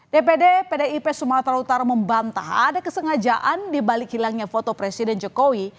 dpd pdip sumatera utara membantah ada kesengajaan dibalik hilangnya foto presiden jokowi